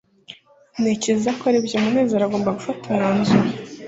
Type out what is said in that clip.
ntekereza ko aribyo munezero agomba gufata umwanzuro